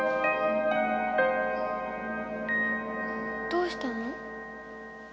どうしたの？